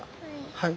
はい。